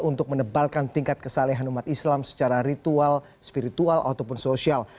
untuk menebalkan tingkat kesalahan umat islam secara ritual spiritual ataupun sosial